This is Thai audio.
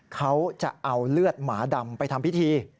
เขาจะเอาเลือดหมาดำไปทำพิธี